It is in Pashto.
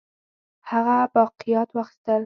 هغه باقیات واخیستل.